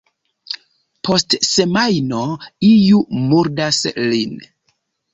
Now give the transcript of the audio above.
Post semajno iu murdas lin.